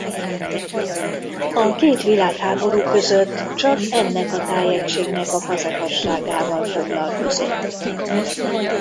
A két világháború között csak ennek a tájegységnek a fazekasságával foglalkozott.